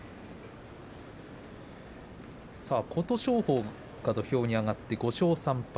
琴勝峰が土俵に上がって５勝３敗。